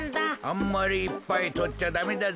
あんまりいっぱいとっちゃダメだぞ。